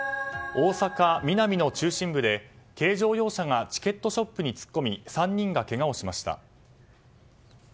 大阪・ミナミの中心部で軽乗用車がチケットショップに突っ込み３人がけがをしました。